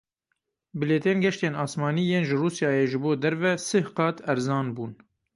Bilêtên geştên asmanî yên ji Rûsyayê ji bo derve sih qat erzan bûn.